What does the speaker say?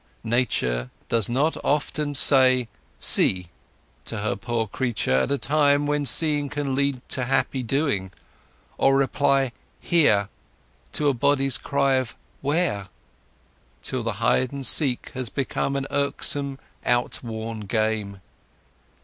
Nature does not often say "See!" to her poor creature at a time when seeing can lead to happy doing; or reply "Here!" to a body's cry of "Where?" till the hide and seek has become an irksome, outworn game.